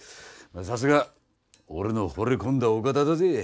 さすが俺のほれ込んだお方だぜ。